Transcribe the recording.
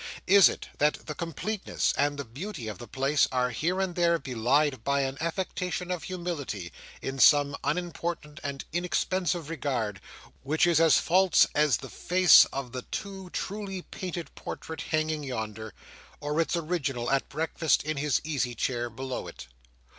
Is it that the completeness and the beauty of the place are here and there belied by an affectation of humility, in some unimportant and inexpensive regard, which is as false as the face of the too truly painted portrait hanging yonder, or its original at breakfast in his easy chair below it?